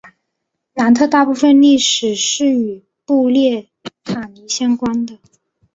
南特大部分历史是与布列塔尼相关的。